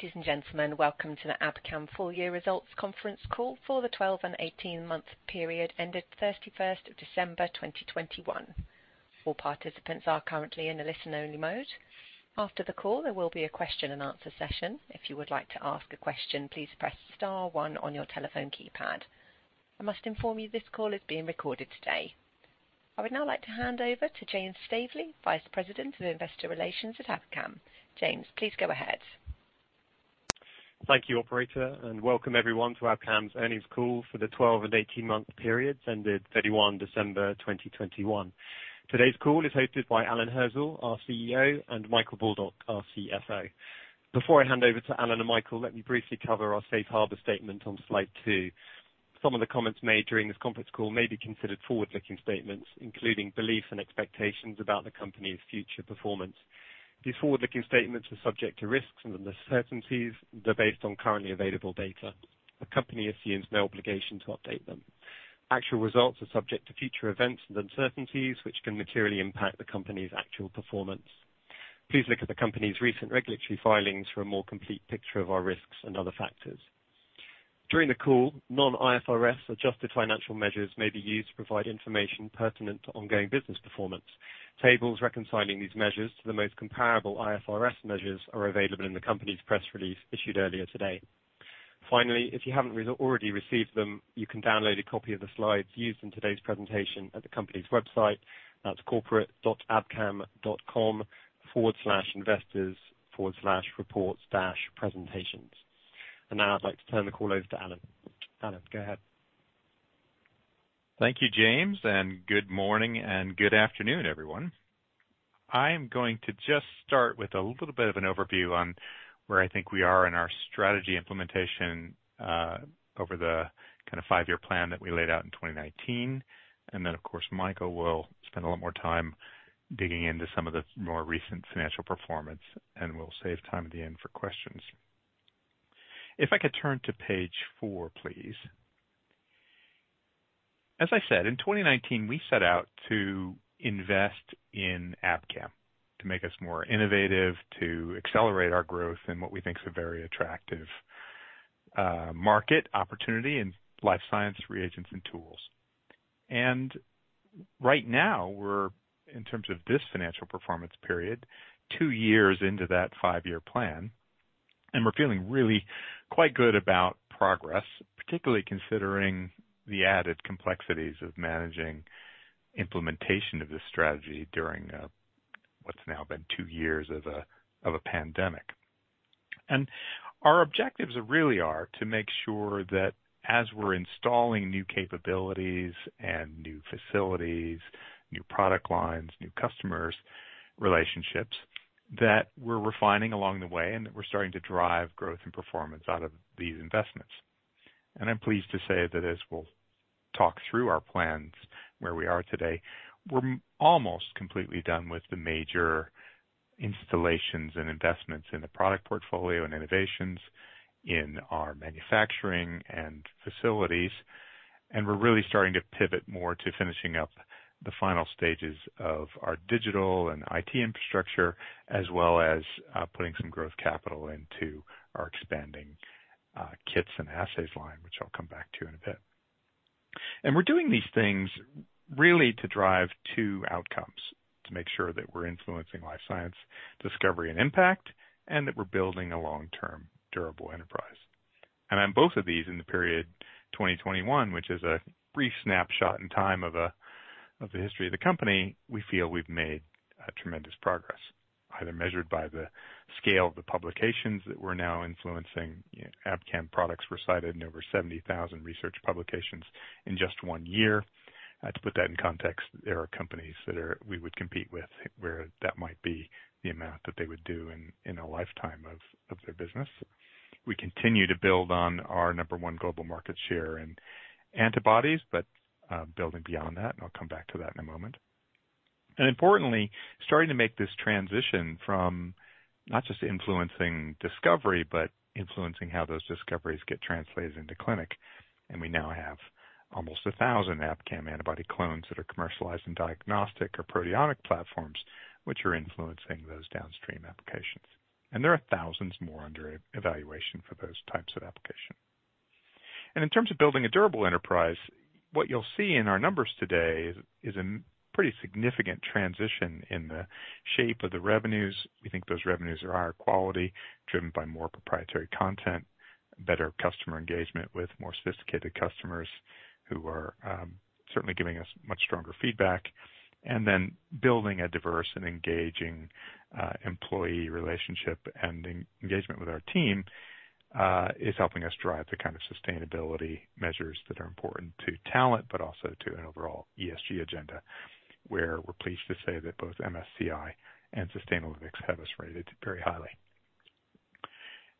Ladies and gentlemen, welcome to the Abcam full-year results conference call for the 12 and 18-month period ended 31st December 2021. All participants are currently in a listen-only mode. After the call, there will be a question and answer session. If you would like to ask a question, please press star one on your telephone keypad. I must inform you this call is being recorded today. I would now like to hand over to James Staveley, Vice President of Investor Relations at Abcam. James, please go ahead. Thank you, operator, and welcome everyone to Abcam's earnings call for the 12 and 18-month period ended 31 December 2021. Today's call is hosted by Alan Hirzel, our CEO, and Michael Baldock, our CFO. Before I hand over to Alan and Michael, let me briefly cover our safe harbor statement on slide two. Some of the comments made during this conference call may be considered forward-looking statements, including beliefs and expectations about the company's future performance. These forward-looking statements are subject to risks and uncertainties. They're based on currently available data. The company assumes no obligation to update them. Actual results are subject to future events and uncertainties, which can materially impact the company's actual performance. Please look at the company's recent regulatory filings for a more complete picture of our risks and other factors. During the call, non-IFRS adjusted financial measures may be used to provide information pertinent to ongoing business performance. Tables reconciling these measures to the most comparable IFRS measures are available in the company's press release issued earlier today. Finally, if you haven't already received them, you can download a copy of the slides used in today's presentation at the company's website. That's corporate.abcam.com/investors/reports-presentations. Now I'd like to turn the call over to Alan. Alan, go ahead. Thank you, James, and good morning and good afternoon, everyone. I'm going to just start with a little bit of an overview on where I think we are in our strategy implementation over the kind of five-year plan that we laid out in 2019. Then, of course, Michael will spend a lot more time digging into some of the more recent financial performance, and we'll save time at the end for questions. If I could turn to page four, please. As I said, in 2019, we set out to invest in Abcam to make us more innovative, to accelerate our growth in what we think is a very attractive market opportunity in life science reagents and tools. Right now we're, in terms of this financial performance period, two years into that five-year plan, and we're feeling really quite good about progress, particularly considering the added complexities of managing implementation of this strategy during what's now been two years of a pandemic. Our objectives really are to make sure that as we're installing new capabilities and new facilities, new product lines, new customers, relationships, that we're refining along the way and that we're starting to drive growth and performance out of these investments. I'm pleased to say that as we'll talk through our plans where we are today, we're almost completely done with the major installations and investments in the product portfolio and innovations in our manufacturing and facilities. We're really starting to pivot more to finishing up the final stages of our digital and IT infrastructure, as well as putting some growth capital into our expanding kits and assays line, which I'll come back to in a bit. We're doing these things really to drive two outcomes, to make sure that we're influencing life science discovery and impact, and that we're building a long-term durable enterprise. On both of these in the period 2021, which is a brief snapshot in time of the history of the company, we feel we've made tremendous progress, either measured by the scale of the publications that we're now influencing. Abcam products were cited in over 70,000 research publications in just one year. To put that in context, there are companies we would compete with where that might be the amount that they would do in a lifetime of their business. We continue to build on our number one global market share in antibodies, but building beyond that, and I'll come back to that in a moment. Importantly, starting to make this transition from not just influencing discovery, but influencing how those discoveries get translated into clinic. We now have almost 1,000 Abcam antibody clones that are commercialized in diagnostic or proteomic platforms, which are influencing those downstream applications. There are thousands more under evaluation for those types of application. In terms of building a durable enterprise, what you'll see in our numbers today is a pretty significant transition in the shape of the revenues. We think those revenues are higher quality, driven by more proprietary content, better customer engagement with more sophisticated customers who are certainly giving us much stronger feedback. Building a diverse and engaging employee relationship and engagement with our team is helping us drive the kind of sustainability measures that are important to talent, but also to an overall ESG agenda, where we're pleased to say that both MSCI and Sustainalytics have us rated very highly.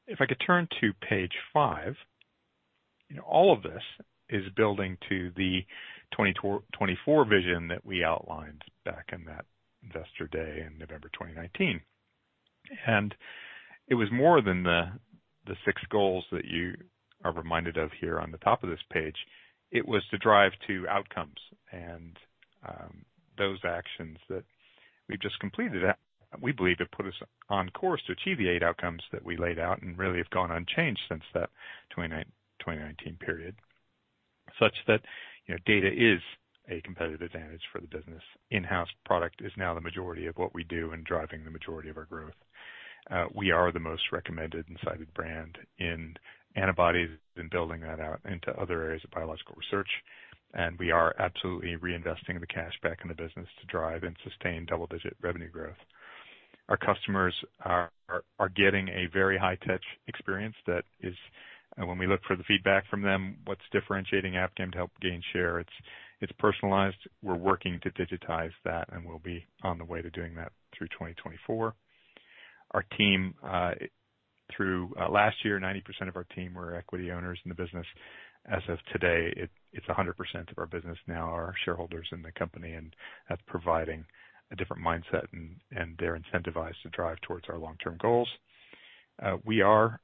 If I could turn to page 5. You know, all of this is building to the 2024 vision that we outlined back in that investor day in November 2019. It was more than the six goals that you are reminded of here on the top of this page. It was to drive to outcomes and those actions that we've just completed. We believe it put us on course to achieve the eight outcomes that we laid out and really have gone unchanged since that 2019 period, such that you know data is a competitive advantage for the business. In-house product is now the majority of what we do in driving the majority of our growth. We are the most recommended and cited brand in antibodies and building that out into other areas of biological research. We are absolutely reinvesting the cash back in the business to drive and sustain double-digit revenue growth. Our customers are getting a very high-touch experience that is. When we look for the feedback from them, what's differentiating Abcam to help gain share, it's personalized. We're working to digitize that, and we'll be on the way to doing that through 2024. Our team, through last year, 90% of our team were equity owners in the business. As of today, it's 100% of our team now are shareholders in the company and that's providing a different mindset and they're incentivized to drive towards our long-term goals. We are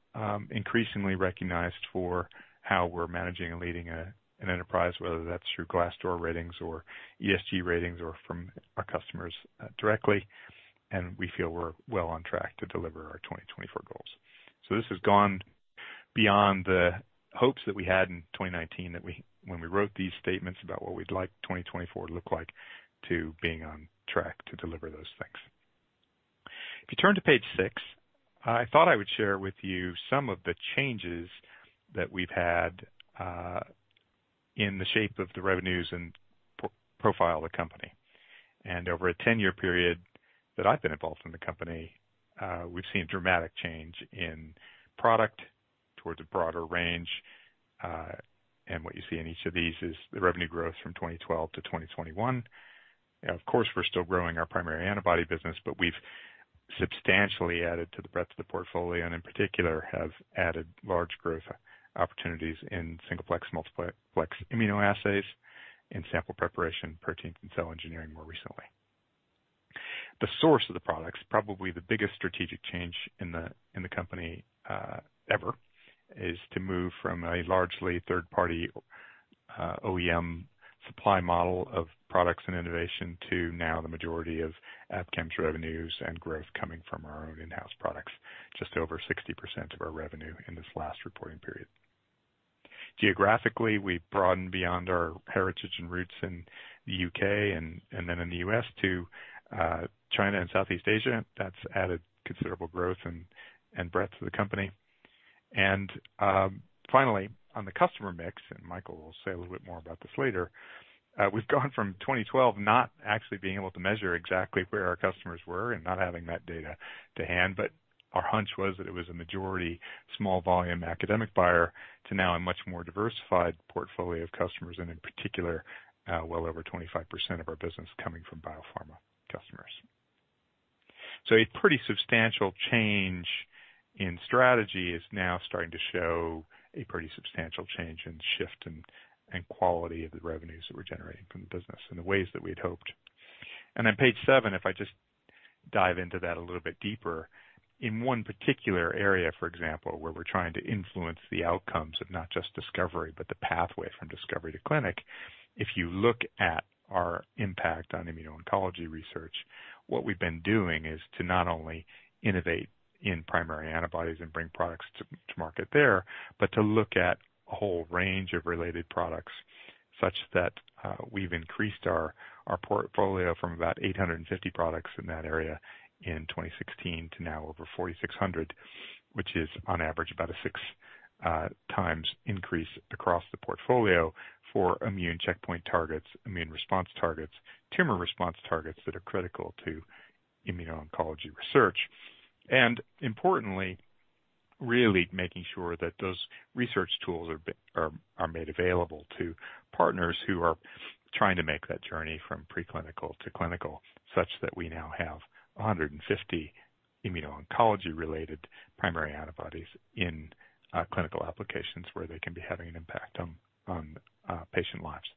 increasingly recognized for how we're managing and leading an enterprise, whether that's through Glassdoor ratings or ESG ratings or from our customers directly, and we feel we're well on track to deliver our 2024 goals. This has gone beyond the hopes that we had in 2019 that when we wrote these statements about what we'd like 2024 to look like, to being on track to deliver those things. If you turn to page six, I thought I would share with you some of the changes that we've had in the shape of the revenues and profile of the company. Over a 10-year period that I've been involved in the company, we've seen dramatic change in product towards a broader range. What you see in each of these is the revenue growth from 2012 to 2021. Of course, we're still growing our primary antibody business, but we've substantially added to the breadth of the portfolio, and in particular have added large growth opportunities in single-plex, multiplex immunoassays, in sample preparation, protein engineering more recently. The source of the products, probably the biggest strategic change in the company ever, is to move from a largely third-party OEM supply model of products and innovation to now the majority of Abcam's revenues and growth coming from our own in-house products, just over 60% of our revenue in this last reporting period. Geographically, we broadened beyond our heritage and roots in the U.K. and then in the U.S. to China and Southeast Asia. That's added considerable growth and breadth to the company. Finally, on the customer mix, and Michael will say a little bit more about this later, we've gone from 2012, not actually being able to measure exactly where our customers were and not having that data to hand, but our hunch was that it was a majority small volume academic buyer to now a much more diversified portfolio of customers, and in particular, well over 25% of our business coming from biopharma customers. A pretty substantial change in strategy is now starting to show a pretty substantial change and shift in quality of the revenues that we're generating from the business in the ways that we'd hoped. Page seven, if I just dive into that a little bit deeper. In one particular area, for example, where we're trying to influence the outcomes of not just discovery, but the pathway from discovery to clinic. If you look at our impact on immuno-oncology research, what we've been doing is to not only innovate in primary antibodies and bring products to market there, but to look at a whole range of related products such that we've increased our portfolio from about 850 products in that area in 2016 to now over 4,600, which is on average about a 6x increase across the portfolio for immune checkpoint targets, immune response targets, tumor response targets that are critical to immuno-oncology research. Importantly, really making sure that those research tools are made available to partners who are trying to make that journey from preclinical to clinical, such that we now have 150 immuno-oncology related primary antibodies in clinical applications where they can be having an impact on patient lives.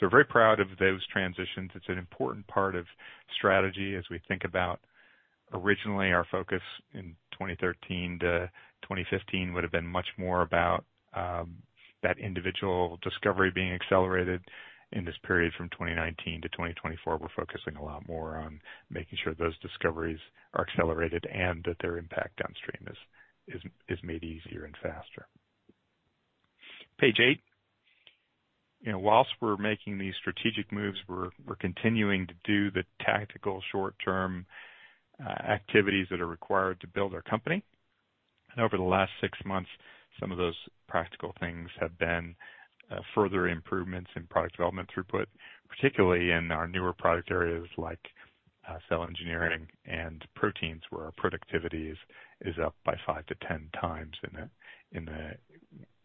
We're very proud of those transitions. It's an important part of strategy as we think about originally, our focus in 2013 to 2015 would have been much more about that individual discovery being accelerated. In this period from 2019 to 2024, we're focusing a lot more on making sure those discoveries are accelerated and that their impact downstream is made easier and faster. Page eight. You know, while we're making these strategic moves, we're continuing to do the tactical short-term activities that are required to build our company. Over the last six months, some of those practical things have been further improvements in product development throughput, particularly in our newer product areas like cell engineering and proteins, where our productivity is up by five to 10 times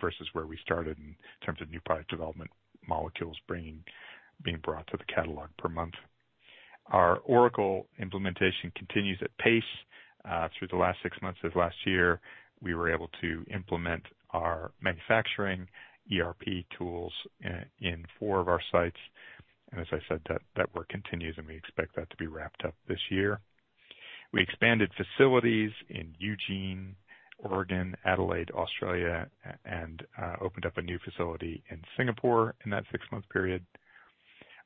versus where we started in terms of new product development molecules being brought to the catalog per month. Our Oracle implementation continues at pace. Through the last six months of last year, we were able to implement our manufacturing ERP tools in four of our sites. As I said, that work continues, and we expect that to be wrapped up this year. We expanded facilities in Eugene, Oregon, Adelaide, Australia, and opened up a new facility in Singapore in that six-month period.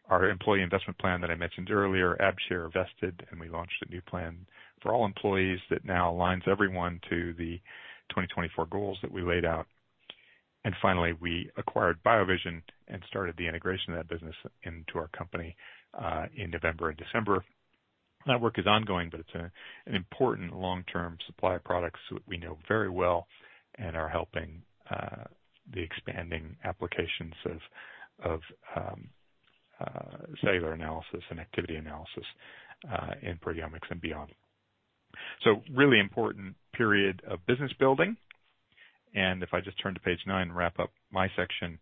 Our employee investment plan that I mentioned earlier, AbShare, vested, and we launched a new plan for all employees that now aligns everyone to the 2024 goals that we laid out. Finally, we acquired BioVision and started the integration of that business into our company in November and December. That work is ongoing, but it's an important long-term supply of products that we know very well and are helping the expanding applications of cellular analysis and activity analysis in proteomics and beyond. Really important period of business building. If I just turn to page nine, wrap up my section.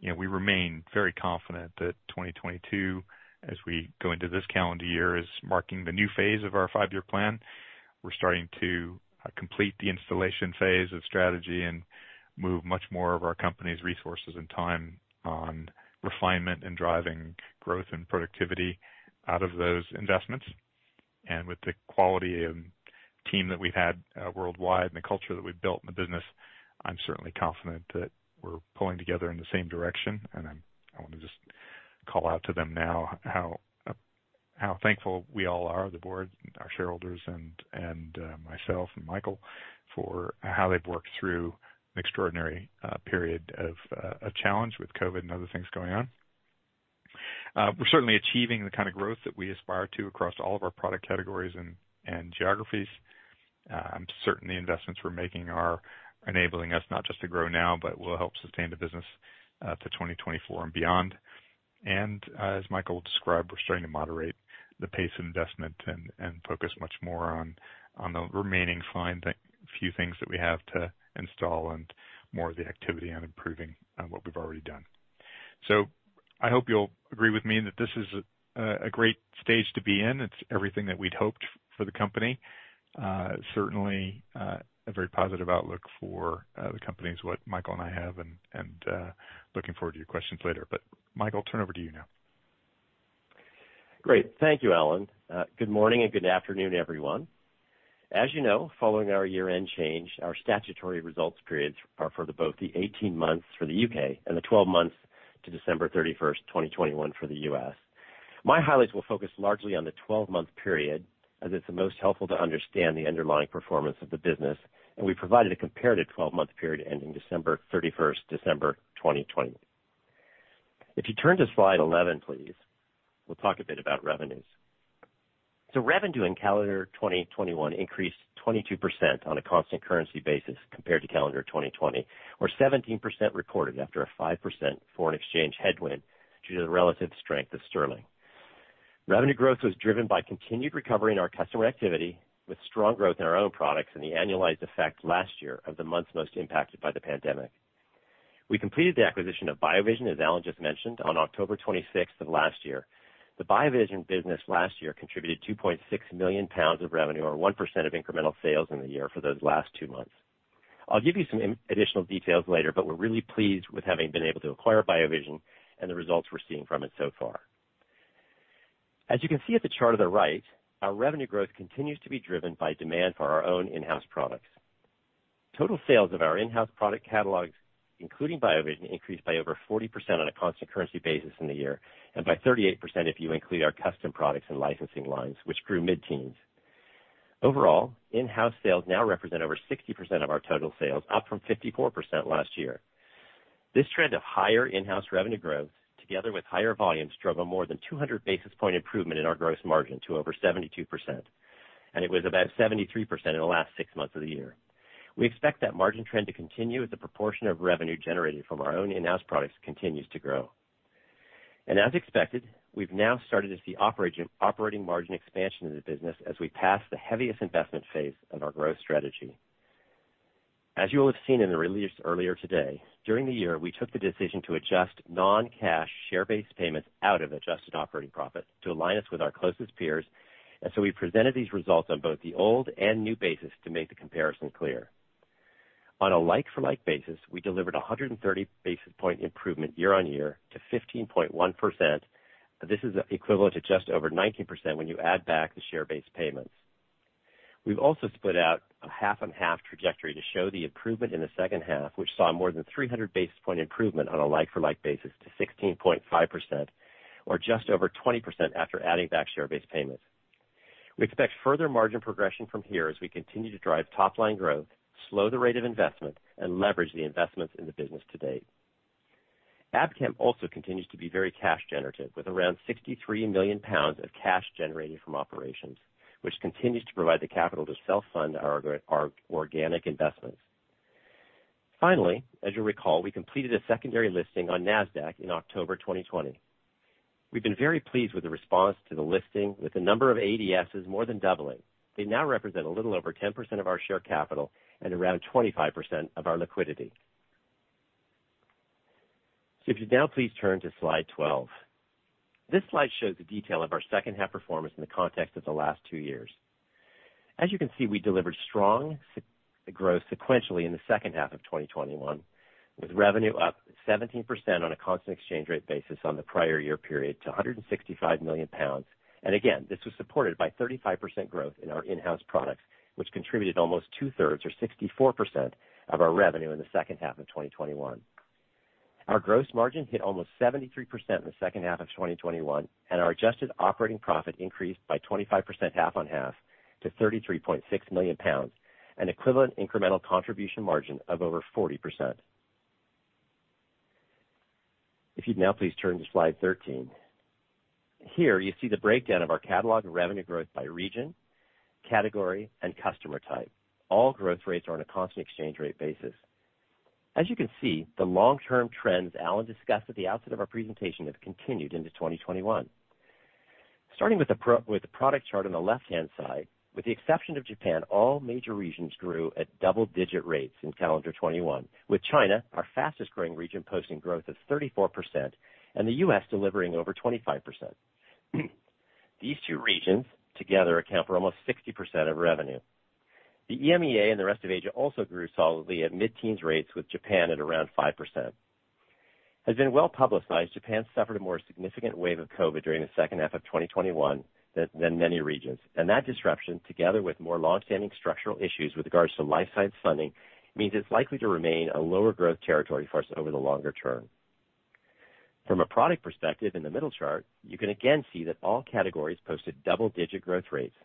You know, we remain very confident that 2022, as we go into this calendar year, is marking the new phase of our five-year plan. We're starting to complete the installation phase of strategy and move much more of our company's resources and time on refinement and driving growth and productivity out of those investments. With the quality and team that we've had worldwide and the culture that we've built in the business, I'm certainly confident that we're pulling together in the same direction. I wanna just call out to them now how thankful we all are, the board, our shareholders and myself and Michael, for how they've worked through an extraordinary period of a challenge with COVID and other things going on. We're certainly achieving the kind of growth that we aspire to across all of our product categories and geographies. I'm certain the investments we're making are enabling us not just to grow now, but will help sustain the business to 2024 and beyond. As Michael described, we're starting to moderate the pace of investment and focus much more on the remaining few things that we have to install and more of the activity on improving on what we've already done. I hope you'll agree with me that this is a great stage to be in. It's everything that we'd hoped for the company. Certainly, a very positive outlook for the company is what Michael and I have and looking forward to your questions later. Michael, I'll turn over to you now. Great. Thank you, Alan. Good morning and good afternoon, everyone. As you know, following our year-end change, our statutory results periods are for both the 18 months for the U.K. and the 12 months to December 31st, 2021 for the U.S. My highlights will focus largely on the 12-month period, as it's the most helpful to understand the underlying performance of the business, and we provided a comparative 12-month period ending December 31st, 2020. If you turn to slide 11, please, we'll talk a bit about revenues. Revenue in calendar 2021 increased 22% on a constant currency basis compared to calendar 2020 or 17% reported after a 5% foreign exchange headwind due to the relative strength of sterling. Revenue growth was driven by continued recovery in our customer activity, with strong growth in our own products and the annualized effect last year of the months most impacted by the pandemic. We completed the acquisition of BioVision, as Alan just mentioned, on October 26th of last year. The BioVision business last year contributed 2.6 million pounds of revenue or 1% of incremental sales in the year for those last two months. I'll give you some additional details later, but we're really pleased with having been able to acquire BioVision and the results we're seeing from it so far. As you can see from the chart on the right, our revenue growth continues to be driven by demand for our own in-house products. Total sales of our in-house product catalogs, including BioVision, increased by over 40% on a constant currency basis in the year and by 38% if you include our custom products and licensing lines, which grew mid-teens. Overall, in-house sales now represent over 60% of our total sales, up from 54% last year. This trend of higher in-house revenue growth, together with higher volumes, drove a more than 200 basis point improvement in our gross margin to over 72%. It was about 73% in the last six months of the year. We expect that margin trend to continue as the proportion of revenue generated from our own in-house products continues to grow. As expected, we've now started to see operating margin expansion in the business as we pass the heaviest investment phase of our growth strategy. As you will have seen in the release earlier today, during the year, we took the decision to adjust non-cash share-based payments out of adjusted operating profit to align us with our closest peers. We presented these results on both the old and new basis to make the comparison clear. On a like-for-like basis, we delivered a 130 basis point improvement year-on-year to 15.1%. This is equivalent to just over 19% when you add back the share-based payments. We've also split out a half-on-half trajectory to show the improvement in the second half, which saw more than 300 basis point improvement on a like-for-like basis to 16.5% or just over 20% after adding back share-based payments. We expect further margin progression from here as we continue to drive top-line growth, slow the rate of investment, and leverage the investments in the business to date. Abcam also continues to be very cash generative, with around 63 million pounds of cash generated from operations, which continues to provide the capital to self-fund our organic investments. Finally, as you'll recall, we completed a secondary listing on NASDAQ in October 2020. We've been very pleased with the response to the listing, with the number of ADSs more than doubling. They now represent a little over 10% of our share capital and around 25% of our liquidity. If you'd now please turn to slide 12. This slide shows the detail of our second half performance in the context of the last two years. As you can see, we delivered strong sequential growth in the second half of 2021, with revenue up 17% on a constant exchange rate basis on the prior year period to 165 million pounds. Again, this was supported by 35% growth in our in-house products, which contributed almost two-thirds or 64% of our revenue in the second half of 2021. Our gross margin hit almost 73% in the second half of 2021, and our adjusted operating profit increased by 25% half on half to 33.6 million pounds, an equivalent incremental contribution margin of over 40%. If you'd now please turn to slide 13. Here, you see the breakdown of our catalog revenue growth by region, category, and customer type. All growth rates are on a constant exchange rate basis. As you can see, the long-term trends Alan discussed at the outset of our presentation have continued into 2021. Starting with the product chart on the left-hand side, with the exception of Japan, all major regions grew at double-digit rates in calendar 2021, with China, our fastest growing region, posting growth of 34% and the U.S. delivering over 25%. These two regions together account for almost 60% of revenue. The EMEA and the rest of Asia also grew solidly at mid-teens rates, with Japan at around 5%. It has been well-publicized, Japan suffered a more significant wave of COVID during the second half of 2021 than many regions, and that disruption, together with more long-standing structural issues with regards to life science funding, means it's likely to remain a lower growth territory for us over the longer term. From a product perspective, in the middle chart, you can again see that all categories posted double-digit growth rates.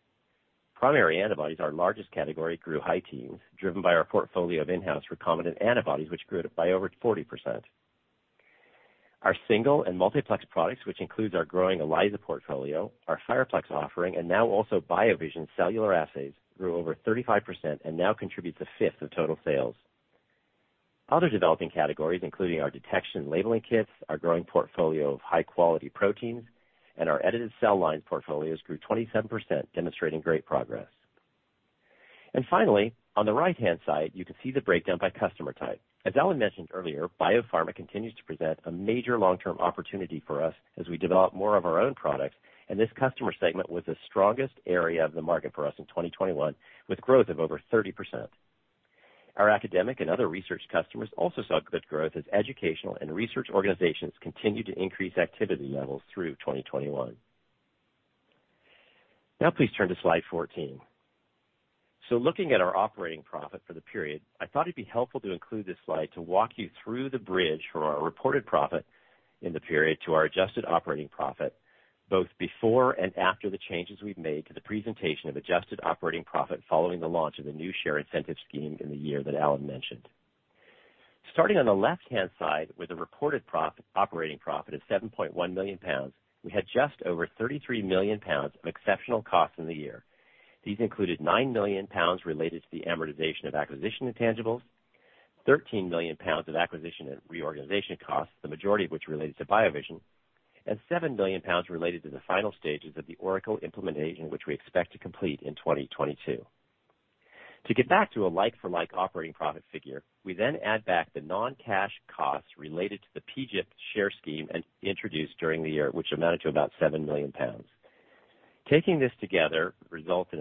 Primary antibodies, our largest category, grew high teens, driven by our portfolio of in-house recombinant antibodies, which grew by over 40%. Our single and multiplex products, which includes our growing ELISA portfolio, our FirePlex offering, and now also BioVision cellular assays, grew over 35% and now contributes a fifth of total sales. Other developing categories, including our detection and labeling kits, our growing portfolio of high-quality proteins, and our edited cell lines portfolios grew 27%, demonstrating great progress. Finally, on the right-hand side, you can see the breakdown by customer type. As Alan mentioned earlier, biopharma continues to present a major long-term opportunity for us as we develop more of our own products, and this customer segment was the strongest area of the market for us in 2021, with growth of over 30%. Our academic and other research customers also saw good growth as educational and research organizations continued to increase activity levels through 2021. Now please turn to slide 14. Looking at our operating profit for the period, I thought it'd be helpful to include this slide to walk you through the bridge for our reported profit in the period to our adjusted operating profit, both before and after the changes we've made to the presentation of adjusted operating profit following the launch of the new share incentive scheme in the year that Alan mentioned. Starting on the left-hand side with a reported operating profit of 7.1 million pounds, we had just over 33 million pounds of exceptional costs in the year. These included 9 million pounds related to the amortization of acquisition intangibles, 13 million pounds of acquisition and reorganization costs, the majority of which related to BioVision, and 7 million pounds related to the final stages of the Oracle implementation, which we expect to complete in 2022. To get back to a like-for-like operating profit figure, we then add back the non-cash costs related to the PGIP share scheme introduced during the year, which amounted to about 7 million pounds. Taking this together results in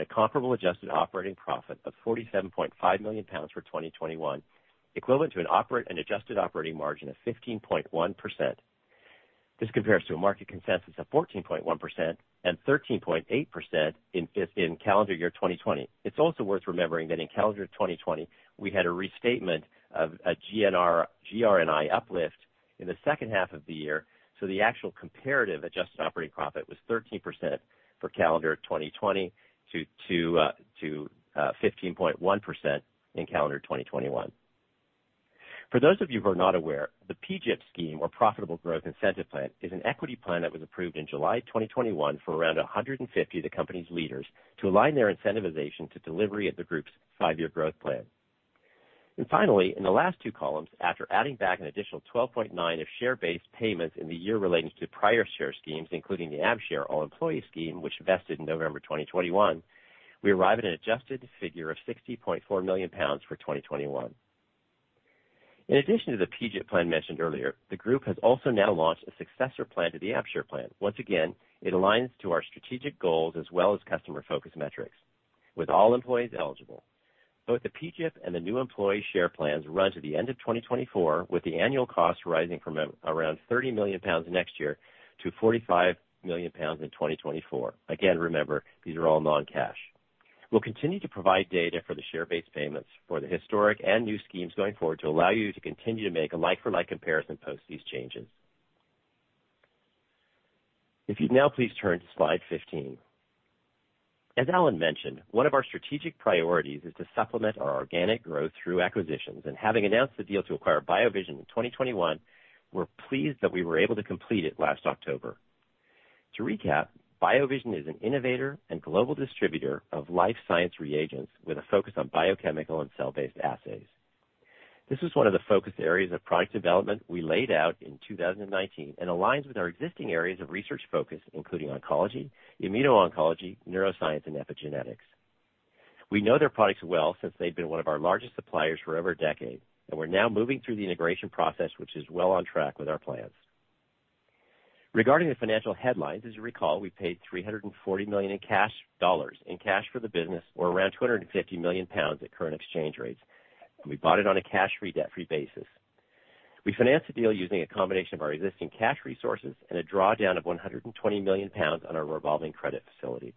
a comparable adjusted operating profit of 47.5 million pounds for 2021, equivalent to an adjusted operating margin of 15.1%. This compares to a market consensus of 14.1% and 13.8% in calendar year 2020. It's also worth remembering that in calendar 2020, we had a restatement of a GRNI uplift in the second half of the year, so the actual comparative adjusted operating profit was 13% for calendar 2020 to 15.1% in calendar 2021. For those of you who are not aware, the PGIP scheme or Profitable Growth Incentive Plan is an equity plan that was approved in July 2021 for around 150 of the company's leaders to align their incentivization to delivery of the group's five-year growth plan. Finally, in the last two columns, after adding back an additional 12.9 of share-based payments in the year relating to prior share schemes, including the AbShare all employee scheme, which vested in November 2021, we arrive at an adjusted figure of 60.4 million pounds for 2021. In addition to the PGIP plan mentioned earlier, the group has also now launched a successor plan to the AbShare plan. Once again, it aligns to our strategic goals as well as customer focus metrics with all employees eligible. Both the PGIP and the new employee share plans run to the end of 2024, with the annual cost rising from around 30 million pounds next year to 45 million pounds in 2024. Again, remember, these are all non-cash. We'll continue to provide data for the share-based payments for the historic and new schemes going forward to allow you to continue to make a like-for-like comparison post these changes. If you'd now please turn to slide 15. As Alan mentioned, one of our strategic priorities is to supplement our organic growth through acquisitions, and having announced the deal to acquire BioVision in 2021, we're pleased that we were able to complete it last October. To recap, BioVision is an innovator and global distributor of life science reagents with a focus on biochemical and cell-based assays. This was one of the focus areas of product development we laid out in 2019 and aligns with our existing areas of research focus, including oncology, immuno-oncology, neuroscience, and epigenetics. We know their products well since they've been one of our largest suppliers for over a decade, and we're now moving through the integration process, which is well on track with our plans. Regarding the financial headlines, as you recall, we paid $340 million in cash dollars in cash for the business or around 250 million pounds at current exchange rates. We bought it on a cash-free, debt-free basis. We financed the deal using a combination of our existing cash resources and a drawdown of 120 million pounds on our revolving credit facility.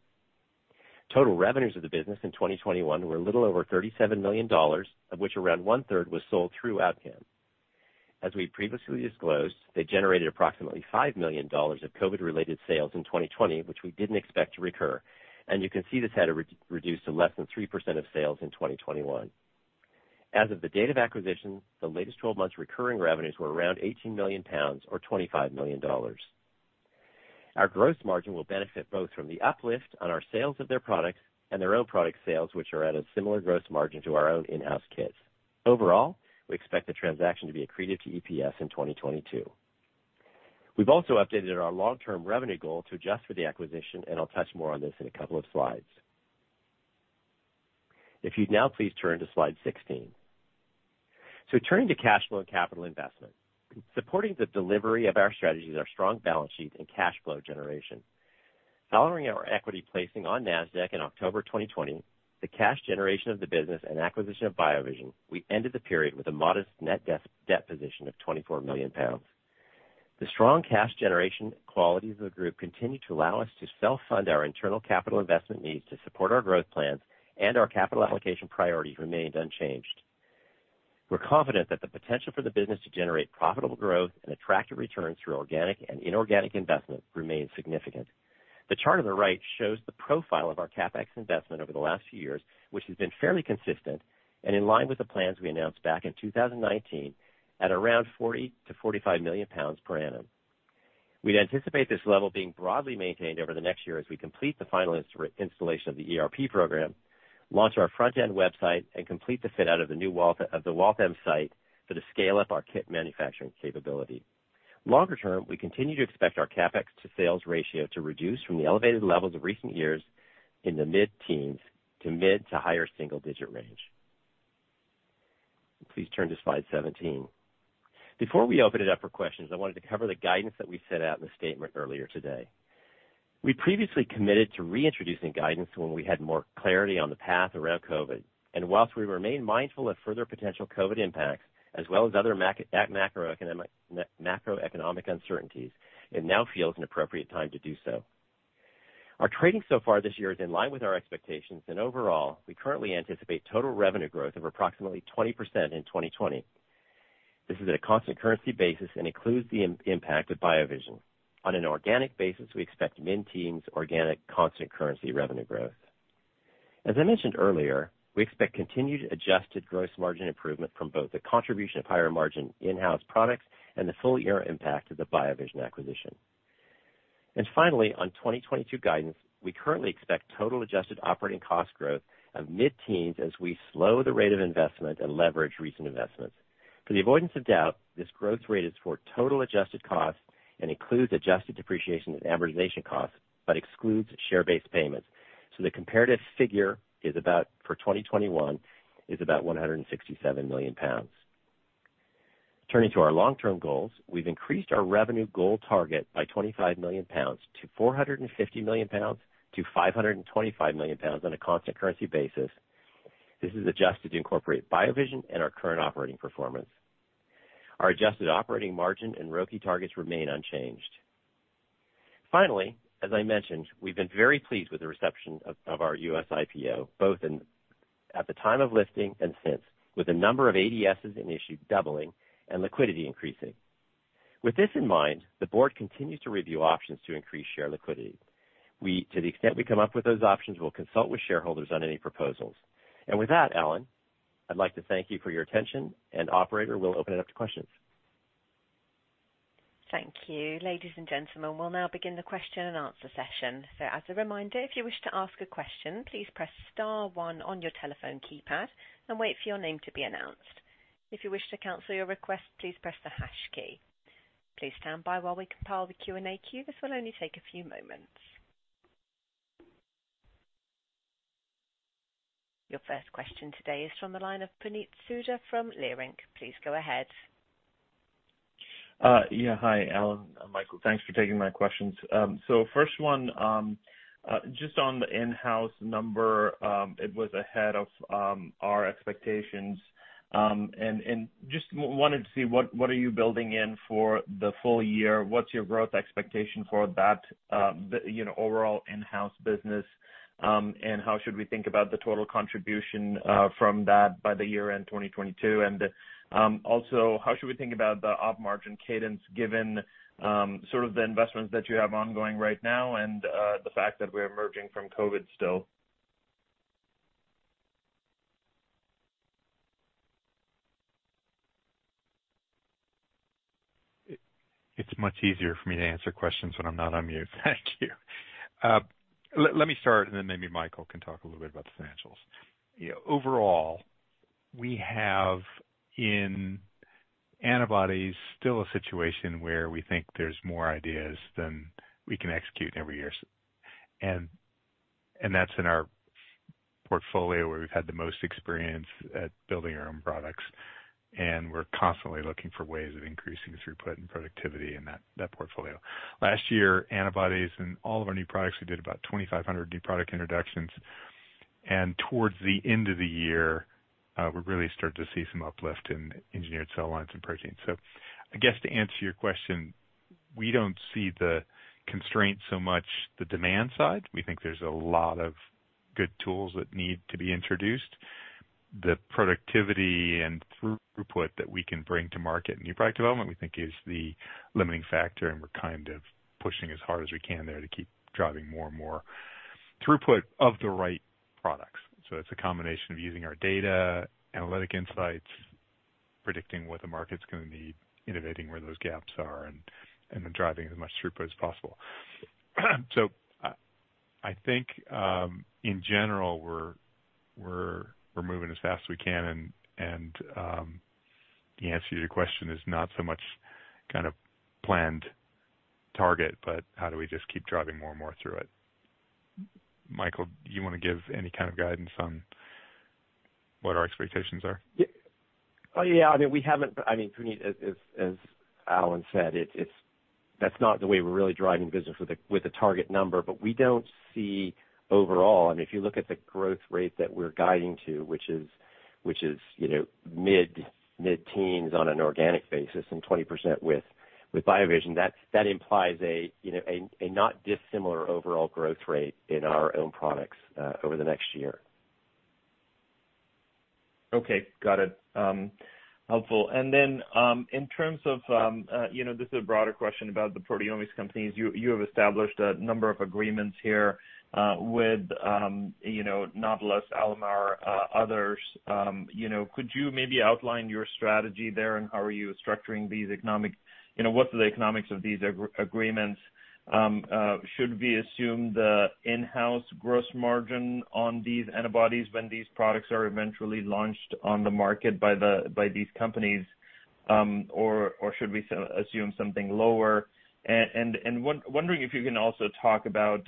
Total revenues of the business in 2021 were a little over $37 million, of which around one-third was sold through Abcam. As we previously disclosed, they generated approximately $5 million of COVID-related sales in 2020, which we didn't expect to recur. You can see this had re-reduced to less than 3% of sales in 2021. As of the date of acquisition, the latest twelve months recurring revenues were around 18 million pounds or $25 million. Our gross margin will benefit both from the uplift on our sales of their products and their own product sales, which are at a similar gross margin to our own in-house kits. Overall, we expect the transaction to be accretive to EPS in 2022. We've also updated our long-term revenue goal to adjust for the acquisition, and I'll touch more on this in a couple of slides. If you'd now please turn to slide 16. Turning to cash flow and capital investment. Supporting the delivery of our strategies are strong balance sheet and cash flow generation. Following our equity placing on NASDAQ in October 2020, the cash generation of the business and acquisition of BioVision, we ended the period with a modest net debt position of 24 million pounds. The strong cash generation qualities of the group continue to allow us to self-fund our internal capital investment needs to support our growth plans, and our capital allocation priorities remained unchanged. We're confident that the potential for the business to generate profitable growth and attractive returns through organic and inorganic investment remains significant. The chart on the right shows the profile of our CapEx investment over the last few years, which has been fairly consistent and in line with the plans we announced back in 2019 at around 40 million-45 million pounds per annum. We'd anticipate this level being broadly maintained over the next year as we complete the final installation of the ERP program, launch our front-end website, and complete the fit out of the new Waltham site for the scale of our kit manufacturing capability. Longer term, we continue to expect our CapEx to sales ratio to reduce from the elevated levels of recent years in the mid-teens to mid to higher single-digit range. Please turn to slide 17. Before we open it up for questions, I wanted to cover the guidance that we set out in the statement earlier today. We previously committed to reintroducing guidance when we had more clarity on the path around COVID. Whilst we remain mindful of further potential COVID impacts as well as other macroeconomic uncertainties, it now feels an appropriate time to do so. Our trading so far this year is in line with our expectations. Overall, we currently anticipate total revenue growth of approximately 20% in 2020. This is at a constant currency basis and includes the impact of BioVision. On an organic basis, we expect mid-teens organic constant currency revenue growth. As I mentioned earlier, we expect continued adjusted gross margin improvement from both the contribution of higher margin in-house products and the full-year impact of the BioVision acquisition. Finally, on 2022 guidance, we currently expect total adjusted operating cost growth of mid-teens as we slow the rate of investment and leverage recent investments. For the avoidance of doubt, this growth rate is for total adjusted costs and includes adjusted depreciation and amortization costs, but excludes share-based payments. The comparative figure is about, for 2021, is about 167 million pounds. Turning to our long-term goals, we've increased our revenue goal target by 25 million-450 million pounds-GBP 525 million on a constant currency basis. This is adjusted to incorporate BioVision and our current operating performance. Our adjusted operating margin and ROIC targets remain unchanged. Finally, as I mentioned, we've been very pleased with the reception of our U.S. IPO, both in, at the time of listing and since, with the number of ADSs in issue doubling and liquidity increasing. With this in mind, the board continues to review options to increase share liquidity. To the extent we come up with those options, we'll consult with shareholders on any proposals. With that, Alan, I'd like to thank you for your attention. Operator, we'll open it up to questions. Thank you. Ladies and gentlemen, we'll now begin the question-and-answer session. As a reminder, if you wish to ask a question, please press star one on your telephone keypad and wait for your name to be announced. If you wish to cancel your request, please press the hash key. Please stand by while we compile the Q&A queue. This will only take a few moments. Your first question today is from the line of Puneet Souda from Leerink. Please go ahead. Hi, Alan and Michael. Thanks for taking my questions. So first one, just on the in-house number. It was ahead of our expectations. And just wanted to see what are you building in for the full year. What's your growth expectation for that, you know, overall in-house business? And how should we think about the total contribution from that by the year-end 2022? And also, how should we think about the operating margin cadence given sort of the investments that you have ongoing right now and the fact that we're emerging from COVID still? It's much easier for me to answer questions when I'm not on mute. Thank you. Let me start and then maybe Michael can talk a little bit about the financials. Yeah, overall, we have in antibodies still a situation where we think there's more ideas than we can execute in every year. That's in our Portfolio where we've had the most experience at building our own products, and we're constantly looking for ways of increasing throughput and productivity in that portfolio. Last year, antibodies and all of our new products, we did about 2,500 new product introductions. Towards the end of the year, we really started to see some uplift in edited cell lines and proteins. I guess to answer your question, we don't see the constraint so much the demand side. We think there's a lot of good tools that need to be introduced. The productivity and throughput that we can bring to market in new product development, we think is the limiting factor, and we're kind of pushing as hard as we can there to keep driving more and more throughput of the right products. It's a combination of using our data, analytic insights, predicting what the market's gonna need, innovating where those gaps are, and then driving as much throughput as possible. I think in general, we're moving as fast as we can. The answer to your question is not so much kind of planned target, but how do we just keep driving more and more through it. Michael, do you wanna give any kind of guidance on what our expectations are? Oh, yeah, I mean, Puneet, as Alan said, it's not the way we're really driving business with a target number. But we don't see overall, I mean, if you look at the growth rate that we're guiding to, which is, you know, mid-teens on an organic basis and 20% with BioVision, that implies, you know, a not dissimilar overall growth rate in our own products over the next year. Okay. Got it. Helpful. Then, in terms of, you know, this is a broader question about the proteomics companies. You have established a number of agreements here, with, you know, Nautilus, Alamar, others. You know, could you maybe outline your strategy there and how are you structuring these agreements. You know, what are the economics of these agreements? Should we assume the in-house gross margin on these antibodies when these products are eventually launched on the market by these companies, or should we assume something lower? And wondering if you can also talk about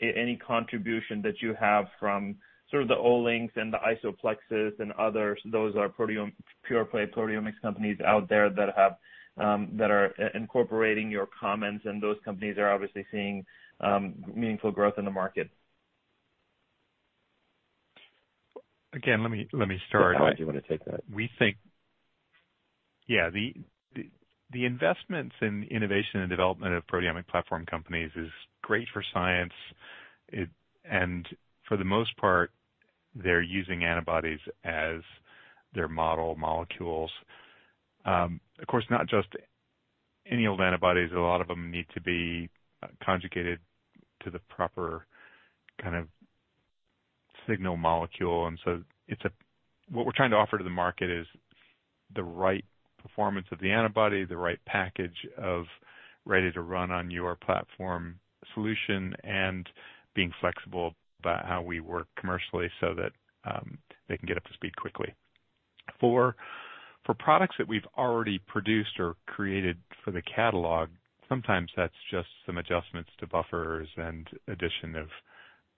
any contribution that you have from sort of the Olink and the IsoPlexis and others. Those are pure play proteomics companies out there that are incorporating your comments, and those companies are obviously seeing meaningful growth in the market. Again, let me start. Alan, do you wanna take that? The investments in innovation and development of proteomic platform companies is great for science. For the most part, they're using antibodies as their model molecules. Of course, not just any old antibodies. A lot of them need to be conjugated to the proper kind of signal molecule. What we're trying to offer to the market is the right performance of the antibody, the right package of ready to run on your platform solution, and being flexible about how we work commercially so that they can get up to speed quickly. For products that we've already produced or created for the catalog, sometimes that's just some adjustments to buffers and addition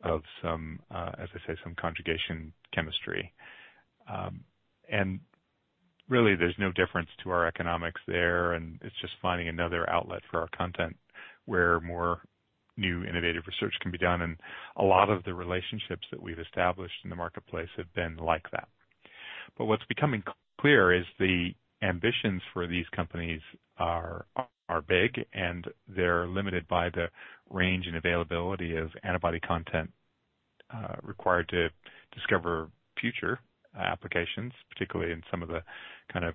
of some, as I say, some conjugation chemistry. Really, there's no difference to our economics there, and it's just finding another outlet for our content where more new innovative research can be done. A lot of the relationships that we've established in the marketplace have been like that. What's becoming clear is the ambitions for these companies are big and they're limited by the range and availability of antibody content required to discover future applications, particularly in some of the kind of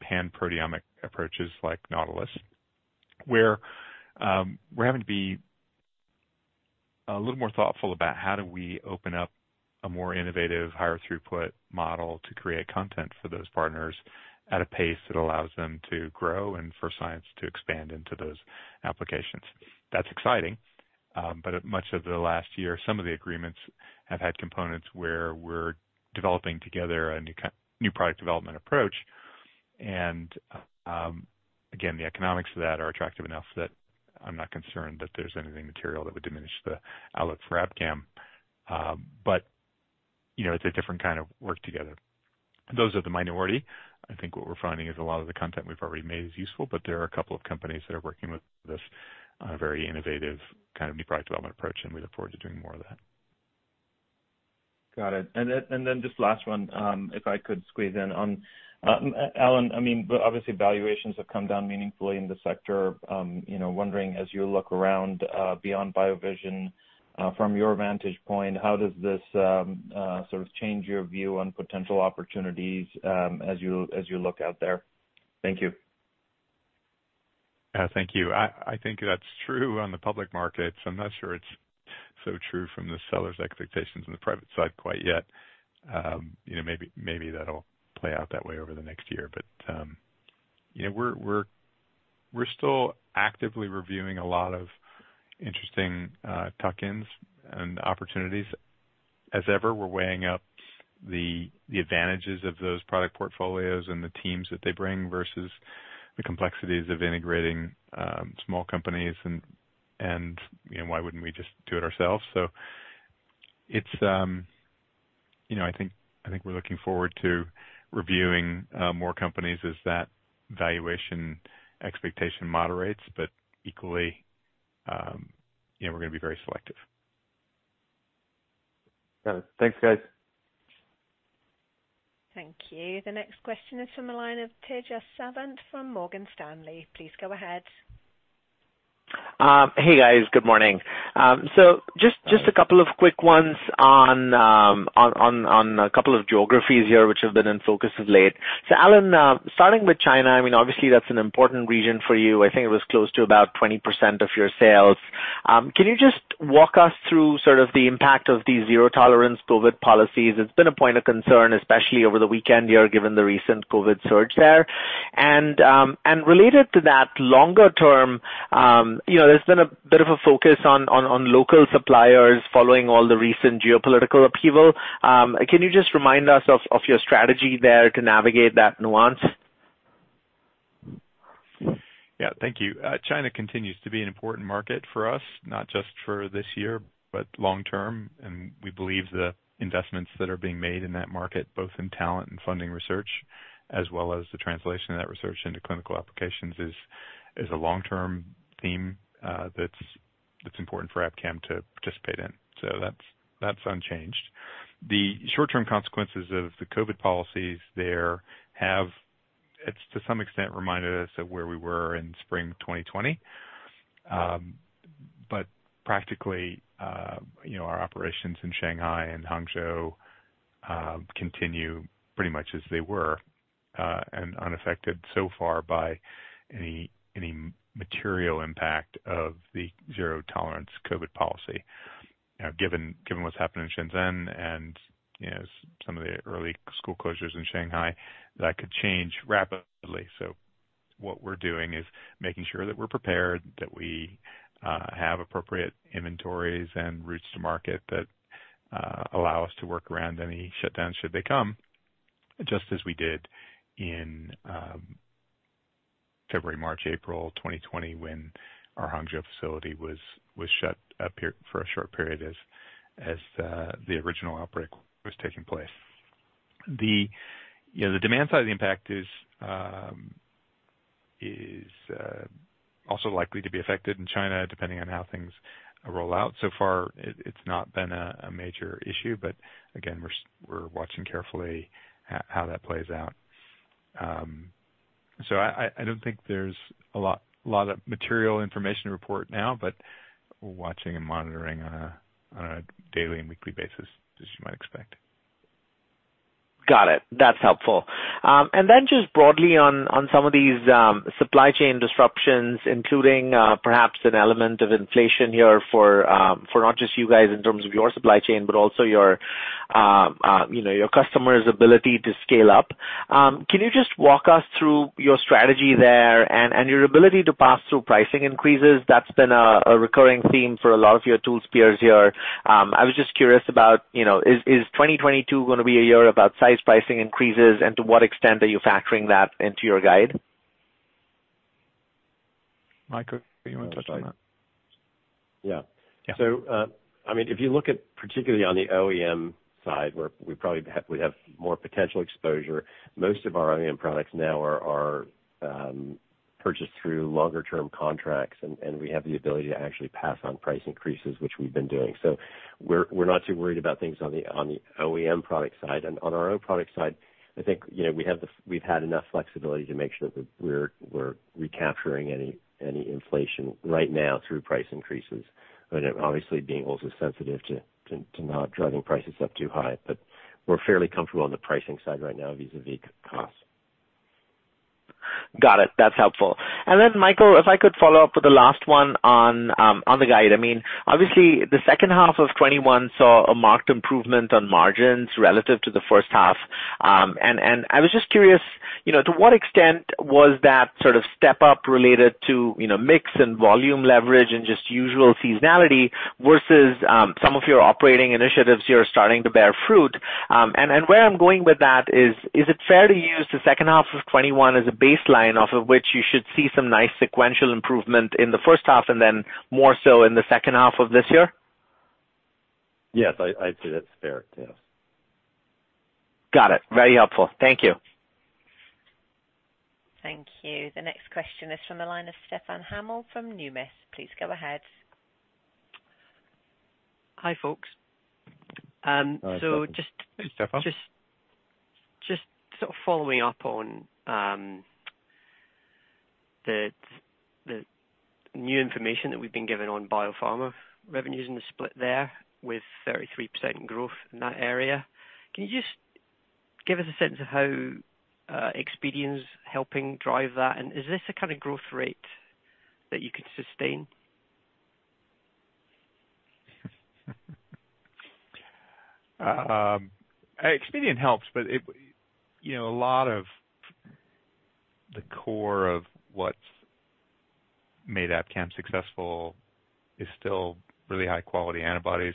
pan proteomic approaches like Nautilus. Where we're having to be a little more thoughtful about how do we open up a more innovative, higher throughput model to create content for those partners at a pace that allows them to grow and for science to expand into those applications. That's exciting. Much of the last year, some of the agreements have had components where we're developing together a new product development approach. Again, the economics of that are attractive enough that I'm not concerned that there's anything material that would diminish the outlook for Abcam. You know, it's a different kind of work together. Those are the minority. I think what we're finding is a lot of the content we've already made is useful, but there are a couple of companies that are working with this very innovative kind of new product development approach, and we look forward to doing more of that. Got it. Just last one, if I could squeeze in on Alan, I mean, obviously valuations have come down meaningfully in the sector. You know, wondering as you look around, beyond BioVision, from your vantage point, how does this sort of change your view on potential opportunities, as you look out there? Thank you. Thank you. I think that's true on the public markets. I'm not sure it's so true from the seller's expectations on the private side quite yet. You know, maybe that'll play out that way over the next year. We're still actively reviewing a lot of interesting tuck-ins and opportunities. As ever, we're weighing up the advantages of those product portfolios and the teams that they bring versus the complexities of integrating small companies and, you know, why wouldn't we just do it ourselves? It's, you know, I think we're looking forward to reviewing more companies as that valuation expectation moderates. Equally, you know, we're gonna be very selective. Got it. Thanks, guys. Thank you. The next question is from the line of Tejas Savant from Morgan Stanley. Please go ahead. Hey, guys. Good morning. So just a couple of quick ones on a couple of geographies here which have been in focus as of late. Alan, starting with China, I mean, obviously that's an important region for you. I think it was close to about 20% of your sales. Can you just walk us through sort of the impact of the zero-tolerance COVID policies? It's been a point of concern, especially over the weekend, you know, given the recent COVID surge there. Related to that, longer term, you know, there's been a bit of a focus on local suppliers following all the recent geopolitical upheaval. Can you just remind us of your strategy there to navigate that nuance? Yeah. Thank you. China continues to be an important market for us, not just for this year, but long term. We believe the investments that are being made in that market, both in talent and funding research, as well as the translation of that research into clinical applications is a long-term theme that's important for Abcam to participate in. That's unchanged. The short-term consequences of the COVID policies there have to some extent reminded us of where we were in spring 2020. Practically, you know, our operations in Shanghai and Hangzhou continue pretty much as they were and unaffected so far by any material impact of the zero-tolerance COVID policy. You know, given what's happened in Shenzhen and you know, some of the early school closures in Shanghai, that could change rapidly. What we're doing is making sure that we're prepared, that we have appropriate inventories and routes to market that allow us to work around any shutdowns, should they come, just as we did in February, March, April 2020 when our Hangzhou facility was shut down for a short period as the original outbreak was taking place. You know, the demand side of the impact is also likely to be affected in China, depending on how things roll out. So far it's not been a major issue, but again, we're watching carefully how that plays out. I don't think there's a lot of material information to report now, but we're watching and monitoring on a daily and weekly basis as you might expect. Got it. That's helpful. And then just broadly on some of these supply chain disruptions, including perhaps an element of inflation here for not just you guys in terms of your supply chain, but also, you know, your customers' ability to scale up. Can you just walk us through your strategy there and your ability to pass through pricing increases? That's been a recurring theme for a lot of your tool peers here. I was just curious about, you know, is 2022 gonna be a year about sizable pricing increases? And to what extent are you factoring that into your guide? Michael, you wanna touch on that? Yeah. I mean, if you look at, particularly on the OEM side where we probably have more potential exposure, most of our OEM products now are purchased through longer term contracts, and we have the ability to actually pass on price increases, which we've been doing. We're not too worried about things on the OEM product side. On our own product side, I think, you know, we've had enough flexibility to make sure that we're recapturing any inflation right now through price increases. You know, obviously being also sensitive to not driving prices up too high. We're fairly comfortable on the pricing side right now vis-a-vis costs. Got it. That's helpful. Michael, if I could follow up with the last one on the guide. I mean, obviously the second half of 2021 saw a marked improvement on margins relative to the first half. And I was just curious, you know, to what extent was that sort of step up related to, you know, mix and volume leverage and just usual seasonality versus some of your operating initiatives here starting to bear fruit. And where I'm going with that is it fair to use the second half of 2021 as a baseline off of which you should see some nice sequential improvement in the first half and then more so in the second half of this year? Yes. I'd say that's fair. Yeah. Got it. Very helpful. Thank you. Thank you. The next question is from the line of Stefan Hamill from Numis. Please go ahead. Hi, folks. Hi, Stefan. Hey, Stefan. Just sort of following up on the new information that we've been given on biopharma revenues and the split there with 33% growth in that area. Can you just give us a sense of how Expedeon is helping drive that, and is this the kind of growth rate that you could sustain? Expedeon helps, but you know, the core of what's made Abcam successful is still really high-quality antibodies.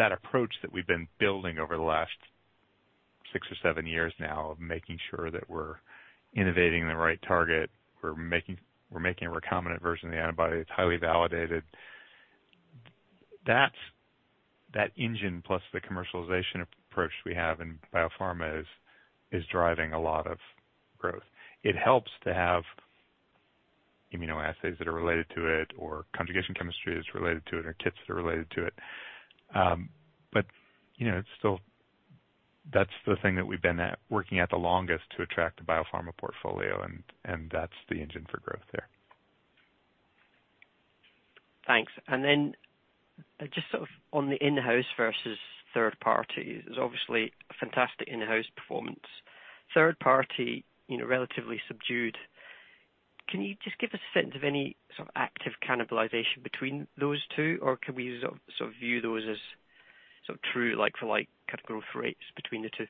That approach that we've been building over the last six or seven years now of making sure that we're innovating the right target, we're making a recombinant version of the antibody, it's highly validated. That's that engine plus the commercialization approach we have in biopharma is driving a lot of growth. It helps to have immunoassays that are related to it or conjugation chemistry that's related to it or kits that are related to it. But you know, it's still that the thing that we've been working at the longest to attract a biopharma portfolio, and that's the engine for growth there. Thanks. Just sort of on the in-house versus third party, there's obviously a fantastic in-house performance. Third party, you know, relatively subdued. Can you just give us a sense of any sort of active cannibalization between those two? Or can we sort of view those as sort of true like for like kind of growth rates between the two?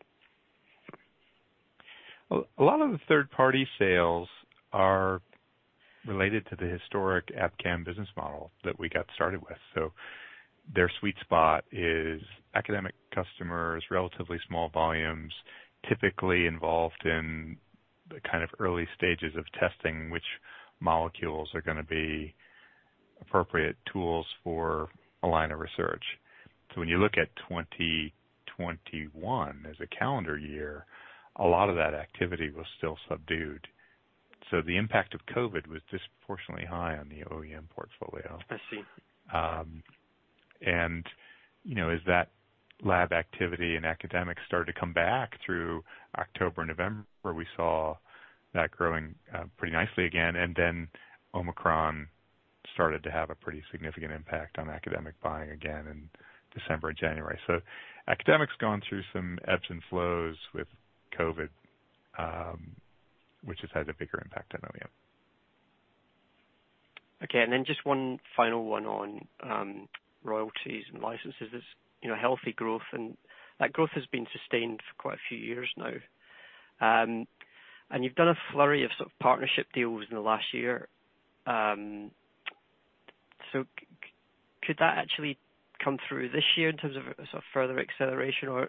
A lot of the third party sales are related to the historic Abcam business model that we got started with. Their sweet spot is academic customers, relatively small volumes, typically involved in the kind of early stages of testing which molecules are gonna be appropriate tools for a line of research. When you look at 2021 as a calendar year, a lot of that activity was still subdued. The impact of COVID was disproportionately high on the OEM portfolio. I see. You know, as that lab activity and academics started to come back through October, November, where we saw that growing pretty nicely again, and then Omicron started to have a pretty significant impact on academic buying again in December and January. Academics gone through some ebbs and flows with COVID, which has had a bigger impact on OEM. Okay. Just one final one on royalties and licenses. There's, you know, healthy growth, and that growth has been sustained for quite a few years now. You've done a flurry of sort of partnership deals in the last year. Could that actually come through this year in terms of a sort of further acceleration, or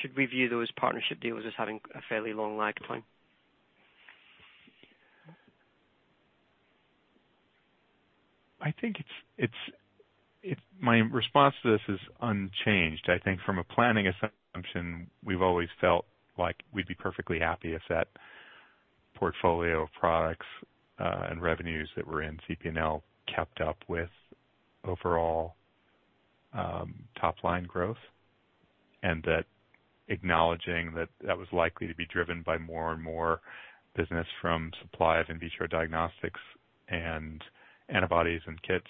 should we view those partnership deals as having a fairly long lag time? My response to this is unchanged. I think from a planning assumption, we've always felt like we'd be perfectly happy if that portfolio of products and revenues that were in CML kept up with overall top line growth, and that acknowledging that was likely to be driven by more and more business from supply of in vitro diagnostics and antibodies and kits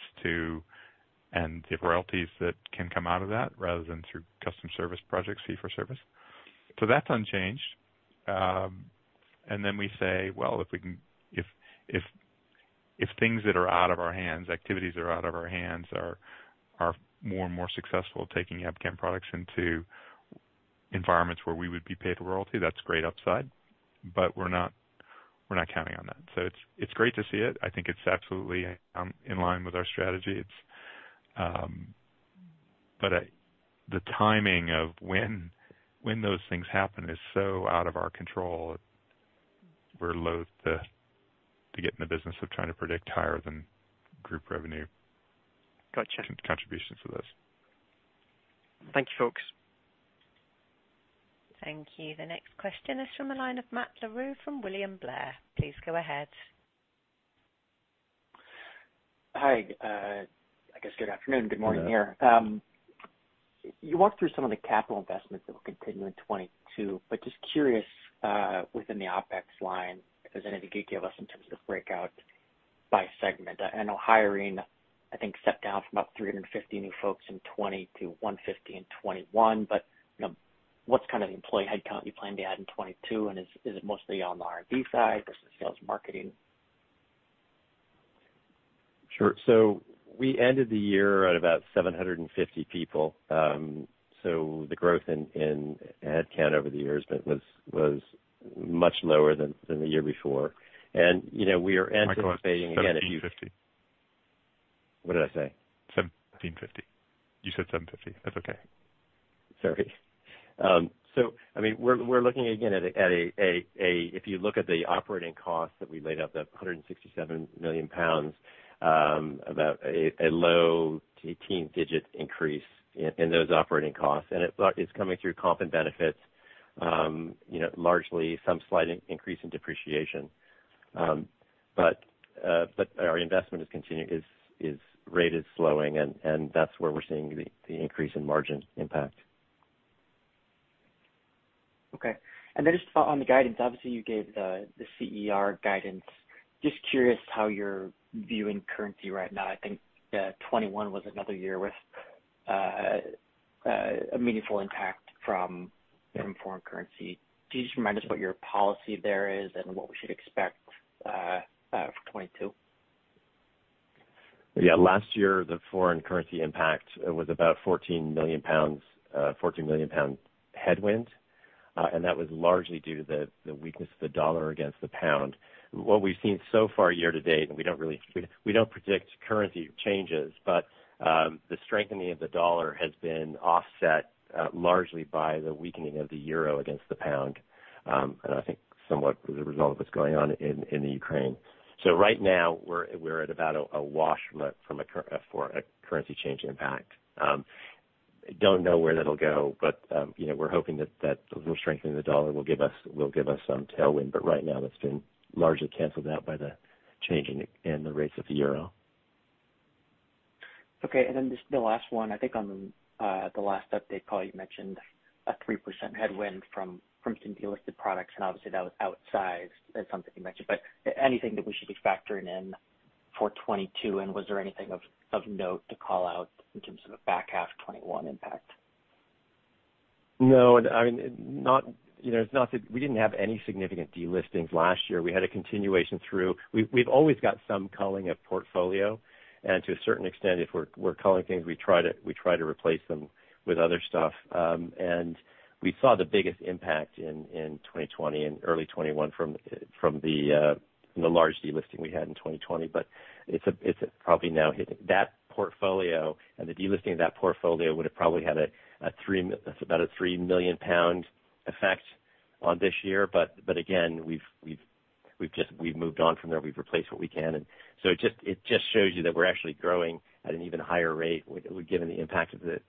and the royalties that can come out of that, rather than through custom service projects, fee for service. That's unchanged. We say, well, if things that are out of our hands, activities that are out of our hands are more and more successful at taking Abcam products into environments where we would be paid a royalty, that's great upside, but we're not counting on that. It's great to see it. I think it's absolutely in line with our strategy. The timing of when those things happen is so out of our control, we're loath to get in the business of trying to predict higher than group revenue. Gotcha. Contributions to this. Thank you, folks. Thank you. The next question is from the line of Matt Larew from William Blair. Please go ahead. Hi. I guess good afternoon, good morning here. You walked through some of the capital investments that will continue in 2022, but just curious, within the OpEx line, if there's anything you could give us in terms of breakout by segment. I know hiring, I think, stepped down from about 350 new folks in 2020 to 150 in 2021. You know, what's kind of the employee headcount you plan to add in 2022, and is it mostly on the R&D side versus sales and marketing? Sure. We ended the year at about 750 people. The growth in headcount over the year was much lower than the year before. We are anticipating again. Michael, it's 550. What did I say? 750. You said 750. That's okay. If you look at the operating costs that we laid out, 167 million pounds, about a low-teens digit increase in those operating costs. It's coming through comp and benefits, you know, largely some slight increase in depreciation. Our investment is continuing, the rate is slowing and that's where we're seeing the increase in margin impact. Okay. Then just on the guidance, obviously you gave the CER guidance. Just curious how you're viewing currency right now. I think 2021 was another year with a meaningful impact from foreign currency. Can you just remind us what your policy there is and what we should expect for 2022? Yeah, last year, the foreign currency impact was about a 14 million pounds headwind, and that was largely due to the weakness of the dollar against the pound. What we've seen so far year to date, and we don't predict currency changes, but the strengthening of the dollar has been offset largely by the weakening of the euro against the pound. I think somewhat as a result of what's going on in the Ukraine. Right now, we're at about a wash from a currency change impact. Don't know where that'll go, but you know, we're hoping that that little strengthening the dollar will give us some tailwind. Right now, that's been largely canceled out by the change in the rates of the euro. Okay. Just the last one. I think on the last update call, you mentioned a 3% headwind from some delisted products, and obviously that was outsized as something you mentioned, but anything that we should be factoring in for 2022, and was there anything of note to call out in terms of a back half 2021 impact? No. I mean, not, you know, it's not that we didn't have any significant delistings last year. We had a continuation through. We've always got some culling of portfolio, and to a certain extent, if we're culling things, we try to replace them with other stuff. We saw the biggest impact in 2020 and early 2021 from the large delisting we had in 2020. But it's probably now hitting. That portfolio and the delisting of that portfolio would have probably had about a 3 million pound effect on this year, but again, we've just moved on from there. We've replaced what we can. It just shows you that we're actually growing at an even higher rate with the impact of the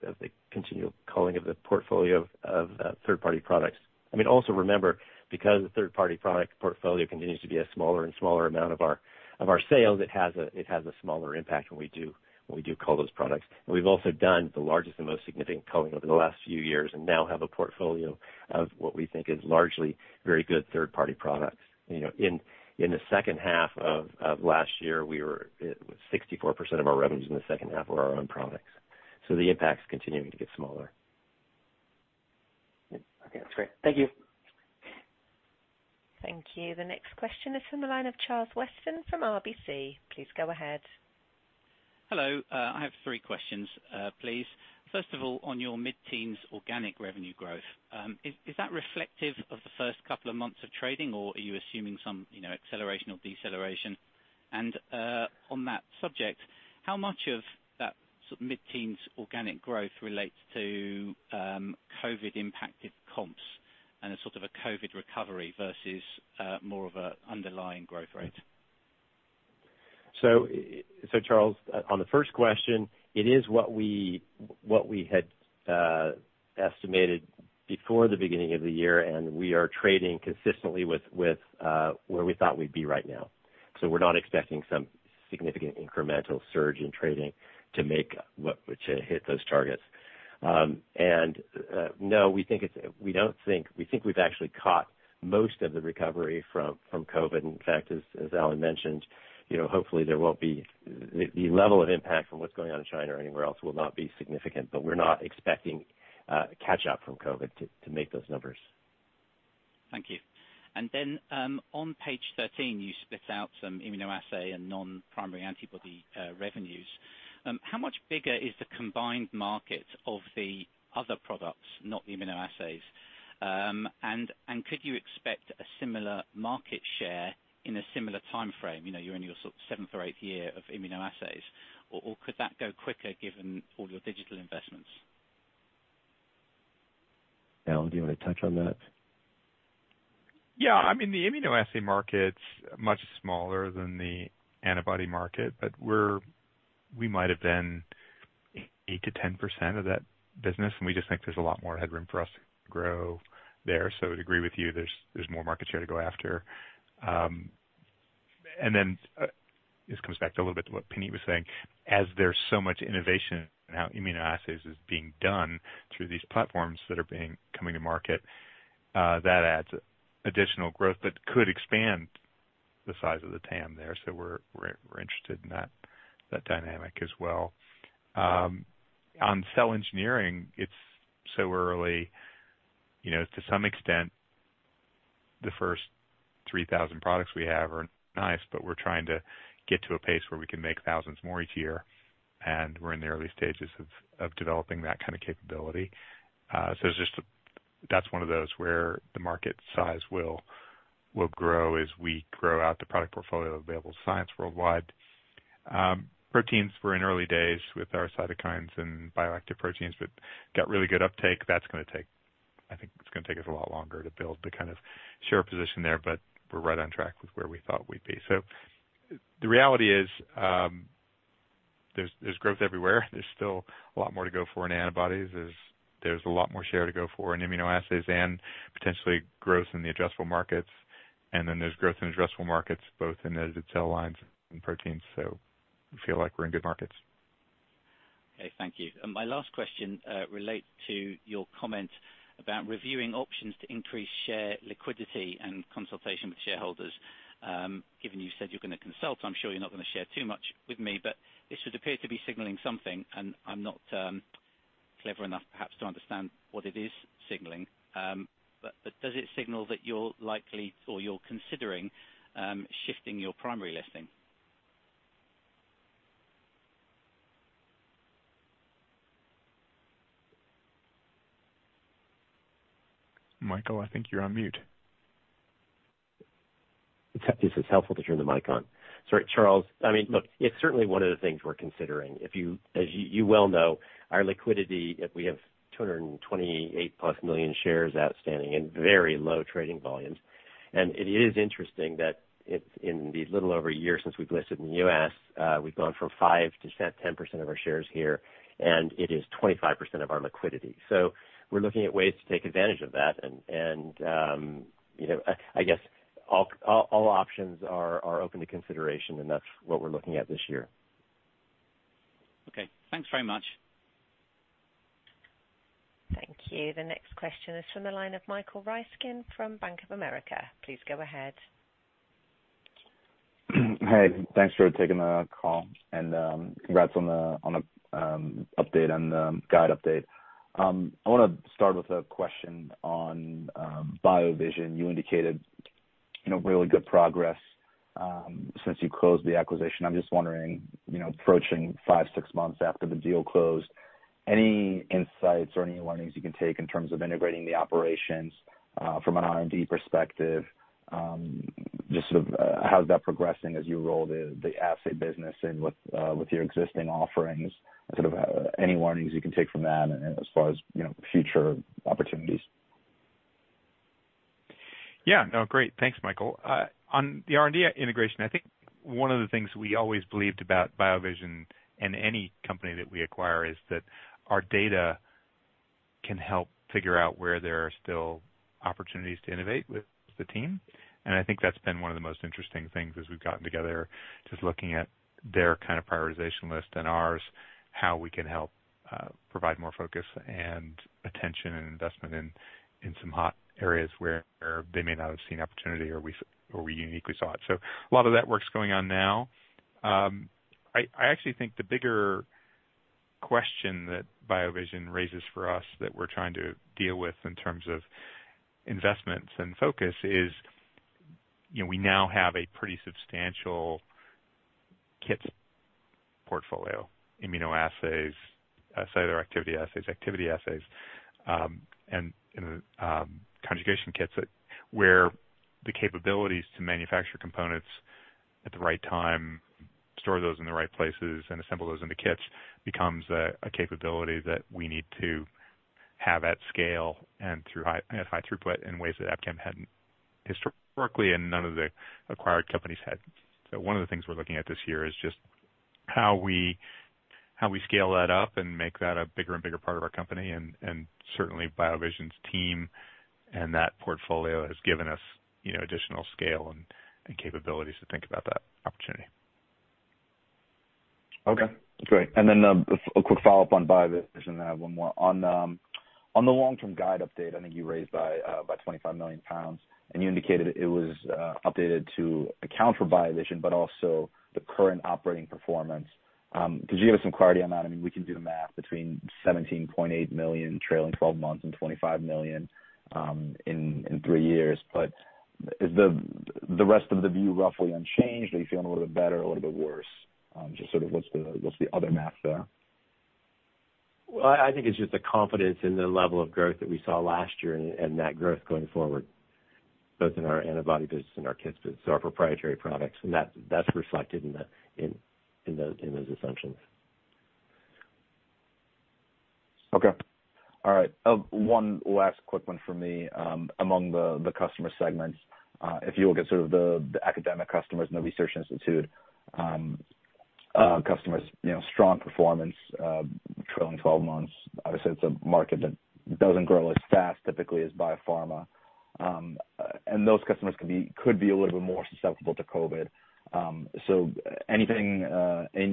continual culling of the portfolio of third party products. I mean, also remember, because the third party product portfolio continues to be a smaller and smaller amount of our sales, it has a smaller impact when we do cull those products. We've also done the largest and most significant culling over the last few years and now have a portfolio of what we think is largely very good third party products. You know, in the second half of last year, 64% of our revenues in the second half were our own products, so the impact's continuing to get smaller. Okay, that's great. Thank you. Thank you. The next question is from the line of Charles Weston from RBC. Please go ahead. Hello. I have three questions, please. First of all, on your mid-teens organic revenue growth, is that reflective of the first couple of months of trading, or are you assuming some, you know, acceleration or deceleration? On that subject, how much of that sort of mid-teens organic growth relates to, COVID impacted comps and a sort of a COVID recovery versus, more of an underlying growth rate? Charles, on the first question, it is what we had estimated before the beginning of the year, and we are trading consistently with where we thought we'd be right now. We're not expecting some significant incremental surge in trading to hit those targets. We think we've actually caught most of the recovery from COVID. In fact, as Alan mentioned, you know, hopefully there won't be. The level of impact from what's going on in China or anywhere else will not be significant, but we're not expecting catch-up from COVID to make those numbers. Thank you. Then, on page 13, you split out some immunoassay and non-primary antibody revenues. How much bigger is the combined market of the other products, not the immunoassays? And could you expect a similar market share in a similar timeframe? You know, you're in your sort of seventh or eighth year of immunoassays. Could that go quicker given all your digital investments? Alan, do you wanna touch on that? I mean, the immunoassay market's much smaller than the antibody market, but we might have been 8%-10% of that business, and we just think there's a lot more headroom for us to grow there. I'd agree with you, there's more market share to go after. This comes back to a little bit to what Pini was saying. As there's so much innovation in how immunoassays is being done through these platforms that are coming to market, that adds additional growth that could expand the size of the TAM there. We're interested in that dynamic as well. On cell engineering, it's so early. You know, to some extent, the first 3,000 products we have are nice, but we're trying to get to a pace where we can make thousands more each year, and we're in the early stages of developing that kind of capability. So it's just. That's one of those where the market size will grow as we grow out the product portfolio of available science worldwide. Proteins, we're in early days with our cytokines and bioactive proteins, but got really good uptake. That's gonna take, I think it's gonna take us a lot longer to build the kind of share position there, but we're right on track with where we thought we'd be. So the reality is, there's growth everywhere. There's still a lot more to go for in antibodies. There's a lot more share to go for in immunoassays and potentially growth in the addressable markets. There's growth in addressable markets both in edited cell lines and proteins. We feel like we're in good markets. Okay. Thank you. My last question relates to your comment about reviewing options to increase share liquidity and consultation with shareholders. Given you said you're gonna consult, I'm sure you're not gonna share too much with me, but this would appear to be signaling something, and I'm not clever enough perhaps to understand what it is signaling. Does it signal that you're likely or you're considering shifting your primary listing? Michael, I think you're on mute. It's helpful to turn the mic on. Sorry, Charles. I mean, look, it's certainly one of the things we're considering. As you well know, our liquidity. If we have 228+ million shares outstanding and very low trading volumes. It is interesting that it's in the little over a year since we've listed in the U.S., we've gone from 5%-10% of our shares here, and it is 25% of our liquidity. We're looking at ways to take advantage of that. You know, I guess all options are open to consideration, and that's what we're looking at this year. Okay, thanks very much. Thank you. The next question is from the line of Michael Ryskin from Bank of America. Please go ahead. Hey, thanks for taking the call, and congrats on the update on the guidance update. I want to start with a question on BioVision. You indicated, you know, really good progress since you closed the acquisition. I'm just wondering, you know, approaching five, six months after the deal closed, any insights or any learnings you can take in terms of integrating the operations from an R&D perspective? Just sort of how's that progressing as you roll the assay business in with your existing offerings? Sort of any warnings you can take from that as far as, you know, future opportunities. Yeah. No, great. Thanks, Michael. On the R&D integration, I think one of the things we always believed about BioVision and any company that we acquire is that our data can help figure out where there are still opportunities to innovate with the team. I think that's been one of the most interesting things as we've gotten together, just looking at their kind of prioritization list and ours, how we can help provide more focus and attention and investment in some hot areas where they may not have seen opportunity or we uniquely saw it. A lot of that work's going on now. I actually think the bigger question that BioVision raises for us that we're trying to deal with in terms of investments and focus is, you know, we now have a pretty substantial kit portfolio, immunoassays, activity assays, and conjugation kits where the capabilities to manufacture components at the right time, store those in the right places and assemble those into kits becomes a capability that we need to have at scale and at high throughput in ways that Abcam hadn't historically and none of the acquired companies had. One of the things we're looking at this year is just how we scale that up and make that a bigger and bigger part of our company and certainly BioVision's team and that portfolio has given us, you know, additional scale and capabilities to think about that opportunity. Okay, great. A quick follow-up on BioVision. I have one more. On the long-term guide update, I think you raised by 25 million pounds, and you indicated it was updated to account for BioVision, but also the current operating performance. Could you give us some clarity on that? I mean, we can do the math between 17.8 million trailing twelve months and 25 million in three years. But is the rest of the view roughly unchanged? Are you feeling a little bit better or a little bit worse? Just sort of what's the other math there? Well, I think it's just the confidence in the level of growth that we saw last year and that growth going forward, both in our antibody business and our kits business, so our proprietary products, and that's reflected in those assumptions. Okay. All right. One last quick one for me. Among the customer segments, if you look at sort of the academic customers and research institute customers, you know, strong performance, trailing twelve months, obviously it's a market that doesn't grow as fast typically as biopharma. Those customers could be a little bit more susceptible to COVID. Anything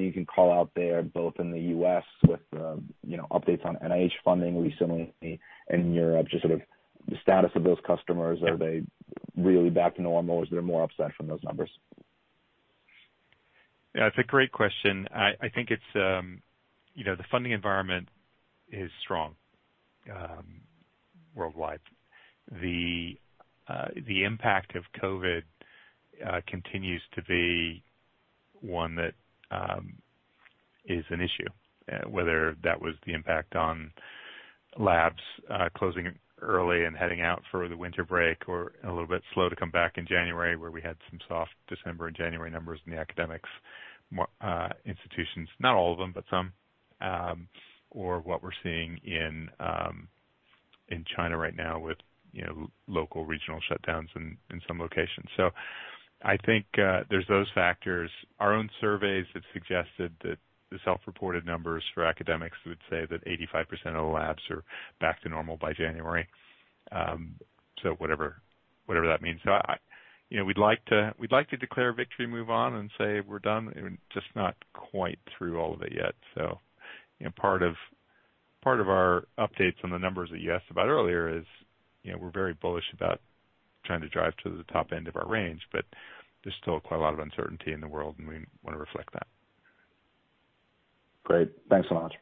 you can call out there, both in the U.S. with, you know, updates on NIH funding recently in Europe, just sort of the status of those customers, are they really back to normal or is there more upside from those numbers? Yeah, it's a great question. I think it's you know, the funding environment is strong worldwide. The impact of COVID continues to be one that is an issue, whether that was the impact on labs closing early and heading out for the winter break or a little bit slow to come back in January, where we had some soft December and January numbers in the academic institutions. Not all of them, but some. Or what we're seeing in China right now with you know, local regional shutdowns in some locations. I think there's those factors. Our own surveys have suggested that the self-reported numbers for academics would say that 85% of the labs are back to normal by January. Whatever that means. You know, we'd like to declare victory and move on and say we're done. We're just not quite through all of it yet. You know, part of our updates on the numbers that you asked about earlier is, you know, we're very bullish about trying to drive to the top end of our range, but there's still quite a lot of uncertainty in the world, and we wanna reflect that. Great. Thanks so much.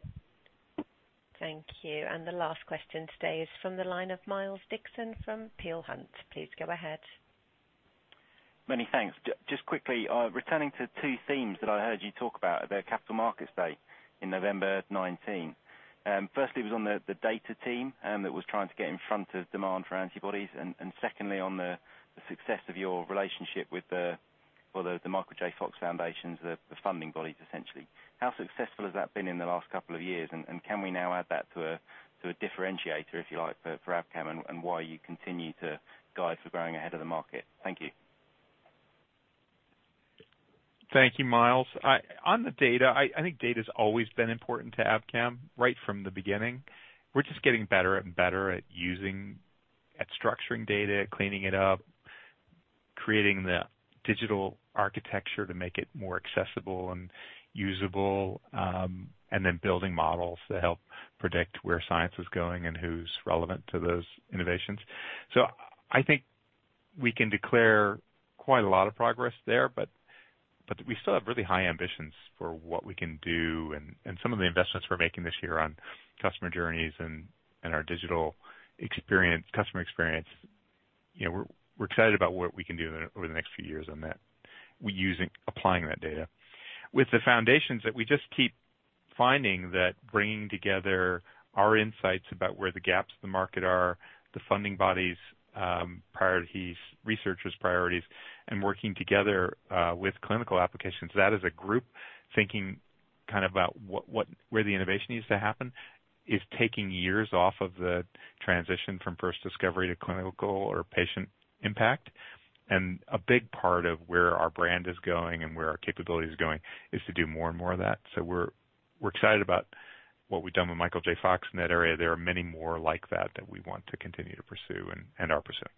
Thank you. The last question today is from the line of Miles Dixon from Peel Hunt. Please go ahead. Many thanks. Just quickly, returning to two themes that I heard you talk about at the Capital Markets Day in November 2019. Firstly, it was on the data team, and that was trying to get in front of demand for antibodies. Secondly, on the success of your relationship with the Michael J. Fox Foundation, the funding bodies, essentially. How successful has that been in the last couple of years? Can we now add that to a differentiator, if you like, for Abcam and why you continue to guide for growing ahead of the market? Thank you. Thank you, Miles. On the data, I think data's always been important to Abcam right from the beginning. We're just getting better and better at using, at structuring data, cleaning it up, creating the digital architecture to make it more accessible and usable, and then building models to help predict where science is going and who's relevant to those innovations. I think we can declare quite a lot of progress there, but we still have really high ambitions for what we can do and some of the investments we're making this year on customer journeys and our digital experience, customer experience. You know, we're excited about what we can do over the next few years on that. We're applying that data. With the foundations that we just keep finding that bringing together our insights about where the gaps in the market are, the funding bodies, priorities, researchers' priorities, and working together, with clinical applications. That is a group thinking kind of about what where the innovation needs to happen is taking years off of the transition from first discovery to clinical or patient impact. A big part of where our brand is going and where our capability is going is to do more and more of that. We're excited about what we've done with Michael J. Fox in that area. There are many more like that that we want to continue to pursue and are pursuing.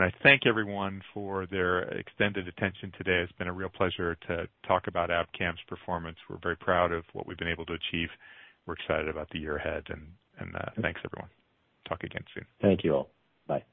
I thank everyone for their extended attention today. It's been a real pleasure to talk about Abcam's performance. We're very proud of what we've been able to achieve. We're excited about the year ahead and thanks everyone. Talk again soon. Thank you all. Bye.